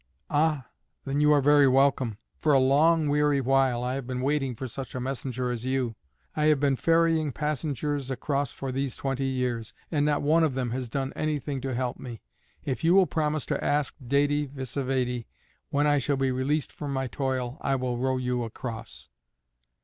"Ah, then you are very welcome. For a long weary while I have been waiting for such a messenger as you. I have been ferrying passengers across for these twenty years, and not one of them has done anything to help me. If you will promise to ask Dède Vsévède when I shall be released from my toil I will row you across."